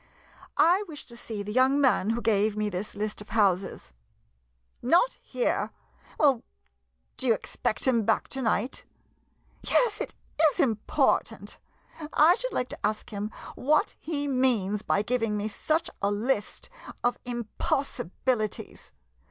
] I wish to see the young man who gave me this list of houses. Not here ? Well, do you expect him back to night? Yes, it is important. I should like to ask him what he means by giving me such a list of impossibilities.